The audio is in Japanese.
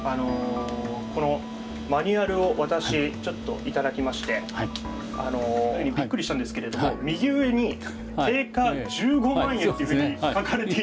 このマニュアルを私ちょっと頂きましてびっくりしたんですけれども右上に定価１５万円っていうふうに書かれていたんですけれど。